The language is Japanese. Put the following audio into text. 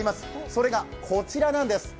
それがこちらなんです。